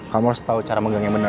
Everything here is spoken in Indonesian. kamu harus tau cara megangnya bener